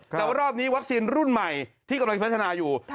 แต่ว่ารอบนี้วัคซีนรุ่นใหม่ที่กำลังพัฒนาอยู่